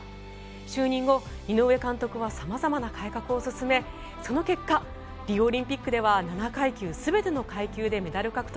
就任後、井上監督は様々な改革を進めその結果、リオオリンピックでは７階級全てでメダル獲得。